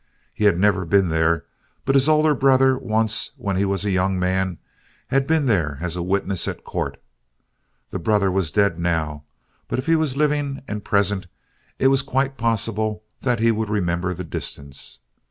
He had never been there, but his older brother, once when he was a young man, had been there as a witness at court. The brother was dead now, but if he was living and present, it was quite possible that he would remember the distance.